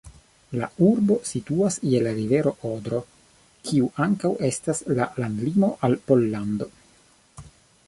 La urbo situas je la rivero Odro, kiu ankaŭ estas la landlimo al Pollando.